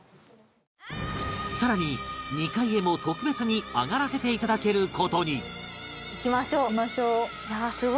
さらに２階へも特別に上がらせて頂ける事に